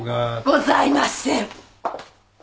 ございません！